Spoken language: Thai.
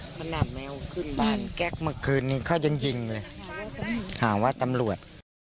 ขนาดแมวขึ้นบ้านแก๊กเมื่อคืนนี้เขายังยิงเลย